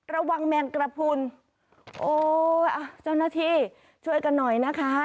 แมงกระพุนโอ้อ่ะเจ้าหน้าที่ช่วยกันหน่อยนะคะ